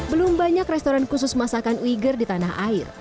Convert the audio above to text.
belum banyak restoran khusus masakan uigger di tanah air